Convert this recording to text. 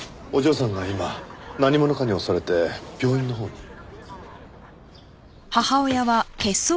お嬢さんが今何者かに襲われて病院のほうに。